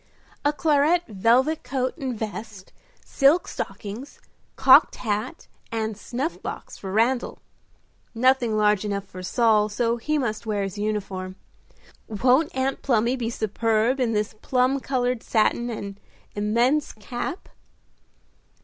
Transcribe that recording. "A claret velvet coat and vest, silk stockings, cocked hat and snuff box for Randal. Nothing large enough for Saul, so he must wear his uniform. Won't Aunt Plumy be superb in this plum colored satin and immense cap?"